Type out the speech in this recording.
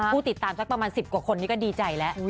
ผู้ติดตามสักประมาณ๑๐กว่าคนนี้ก็ดีใจแล้ว